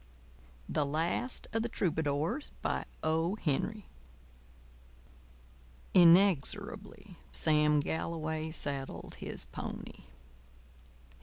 THE LAST OF THE TROUBADOURS Inexorably Sam Galloway saddled his pony.